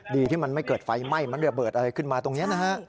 ดีที่มันไม่เกิดไฟไหม้มันระเบิดอะไรขึ้นมาตรงนี้นะฮะ